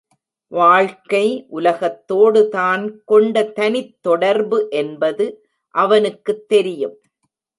வாழ்க்கை உலகத்தோடு தான் கொண்ட தனித் தொடர்பு என்பது அவனுக்குத் தெரியும்.